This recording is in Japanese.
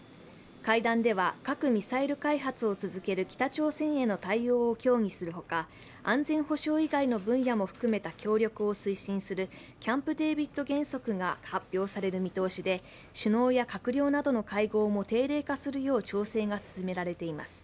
会談では核・ミサイル開発を続ける北朝鮮への対応を協議するほか、安全保障以外の分野も含めた協力を推進するキャンプ・デービッド原則が発表される見通しで首脳や閣僚などの会合も定例化するよう調整が進められています。